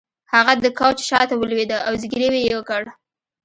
هغه د کوچ شاته ولویده او زګیروی یې وکړ